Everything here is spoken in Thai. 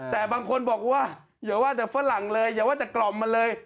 แต่บางคนบอกว่าอย่าว่าแต่ฝรั่งเลยอย่าว่าแต่กล่อมมันเลย